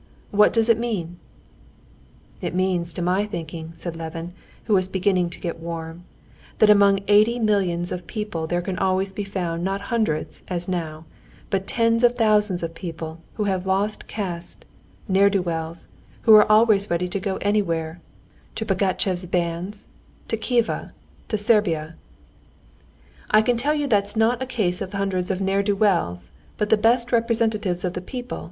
What does it mean?" "It means, to my thinking," said Levin, who was beginning to get warm, "that among eighty millions of people there can always be found not hundreds, as now, but tens of thousands of people who have lost caste, ne'er do wells, who are always ready to go anywhere—to Pogatchev's bands, to Khiva, to Servia...." "I tell you that it's not a case of hundreds or of ne'er do wells, but the best representatives of the people!"